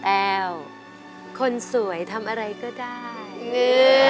แอลคนสวยทำอะไรก็ได้อืม